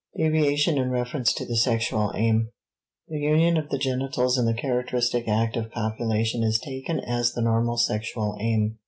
DEVIATION IN REFERENCE TO THE SEXUAL AIM The union of the genitals in the characteristic act of copulation is taken as the normal sexual aim.